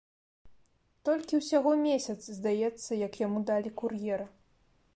Толькі ўсяго месяц, здаецца, як яму далі кур'ера.